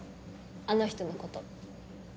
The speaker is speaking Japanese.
あの人のこと。